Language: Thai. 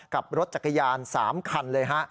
กับรถจักรยาน๓คันเลยฮะ